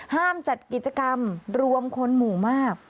จัดกิจกรรมรวมคนหมู่มาก